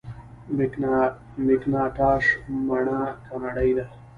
مکینټاش مڼه کاناډايي ده.